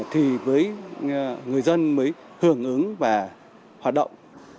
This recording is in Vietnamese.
thì với người dân mới hưởng ứng và hoạt động